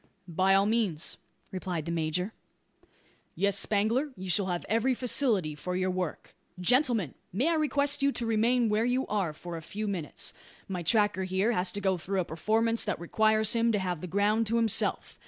"By all means," replied the major. "Yes, Spangler, you shall have every facility for your work. Gentlemen! may I request you to remain where you are for a few minutes. My tracker, here, has to go through a performance that requires him to have the ground to himself.